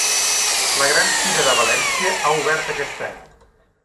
La Gran Fira de València ha obert aquest any